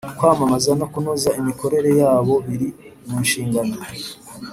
kwamamaza no kunoza imikorere yabo biri munshingano